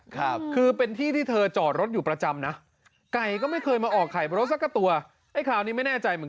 เดี๋ยวเฉลินให้ฟัง